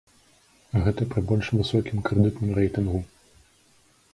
Гэта пры больш высокім крэдытным рэйтынгу!